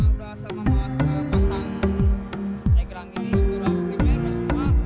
sudah selama pasang egrang ini sudah primer sudah semua